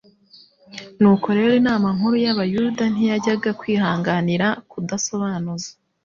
Nuko rero Inama nkuru y'Abayuda ntiyajyaga kwihanganira kudasobanuza